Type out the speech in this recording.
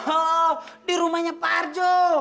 oh di rumahnya parjo